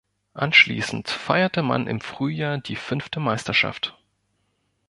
Anschließend feierte man im Frühjahr die fünfte Meisterschaft.